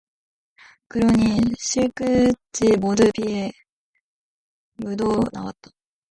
그러니 실끝이 모두 비에 묻어 나왔다.